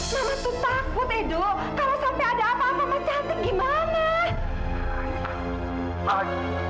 mama tuh takut edo kalau sampai ada apa apa sama si cantik gimana